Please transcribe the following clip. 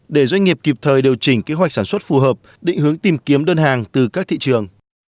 để doanh nghiệp kịp thời điều chỉnh kế hoạch sản xuất phù hợp định hướng tìm kiếm đơn hàng từ các thị trường